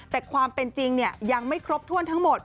แต่ความเป็นจริงยังไม่ครบถ้วนทั้งหมด